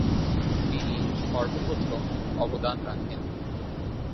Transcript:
তিনি সর্ব প্রথম অবদান রাখেন ।